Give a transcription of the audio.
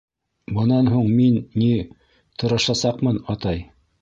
— Бынан һуң мин, ни, тырышасаҡмын, атай.